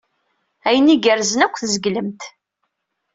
Ayen igerrzen akk tzeglem-t.